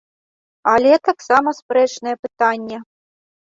Але таксама спрэчнае пытанне.